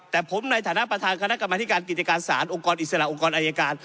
แต่ผมในฐานะประธานคณะกรรมธิการกิจการสารองค์กรอิสระองค์กรอายการ